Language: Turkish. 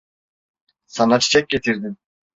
Sana çiçek getirdim.